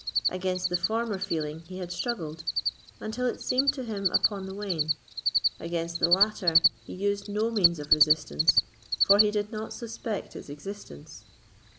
Against the former feeling he had struggled, until it seemed to him upon the wane; against the latter he used no means of resistance, for he did not suspect its existence.